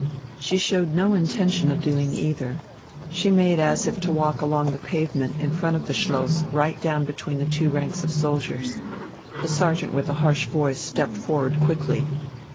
She showed no intention of doing either. She made as if to walk along the pavement in front of the Schloss right down between the two ranks of soldiers. The sergeant with the harsh voice stepped forward quickly.